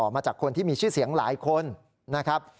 มาจากคนที่มีชื่อเสียงหลายคนนะครับ